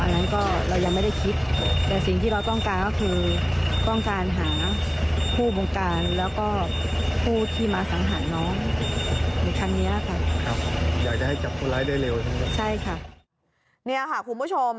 นี่ค่ะคุณผู้ชม